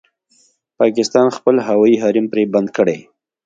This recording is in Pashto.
پاکستان خپل هوايي حريم پرې بند کړی